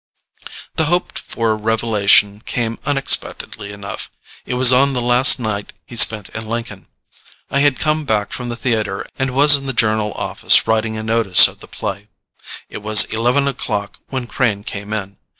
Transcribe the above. The hoped for revelation came unexpectedly enough. It was on the last night he spent in Lincoln. I had come back from the theatre and was in the Journal office writing a notice of the play. It was eleven o'clock when Crane came in.